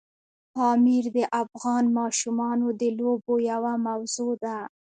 پامیر د افغان ماشومانو د لوبو یوه موضوع ده.